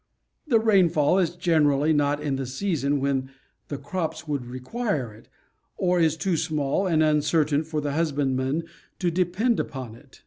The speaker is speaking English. The rainfall is generally not in the season when the crops would require it, or is too small and uncertain for the husbandman to depend upon it.